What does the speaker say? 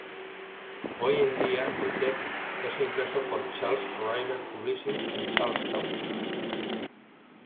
Hoy en día "The Tech" es impreso por Charles River Publishing en Charlestown.